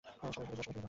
সবাই সরে যাও!